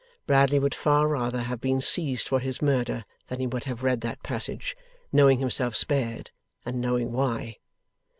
Bradley would far rather have been seized for his murder, than he would have read that passage, knowing himself spared, and knowing why.